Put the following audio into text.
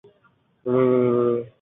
莫负今朝！